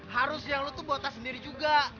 harus yang lo tuh bawa tas sendiri juga